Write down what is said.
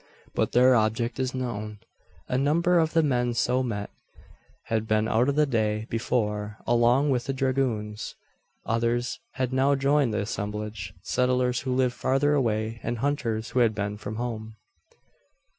But their object is known. A number of the men so met, had been out on the day before, along with the dragoons. Others had now joined the assemblage settlers who lived farther away, and hunters who had been from home.